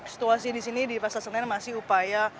situasi di sini di pasar senen masih upaya